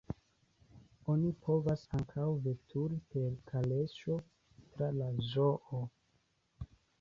Oni povas ankaŭ veturi per kaleŝo tra la zoo.